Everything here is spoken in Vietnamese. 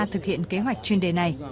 thực hiện kế hoạch chuyên đề này